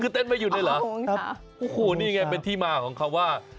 คือเต้นไม่หยุดเลยเหรอโอ้โหนี่ไงเป็นที่มาของคำว่า